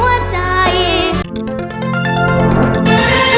สวัสดีครับ